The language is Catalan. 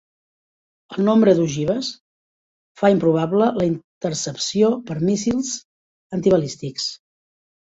El nombre d'ogives fa improbable la intercepció per míssils antibalístics.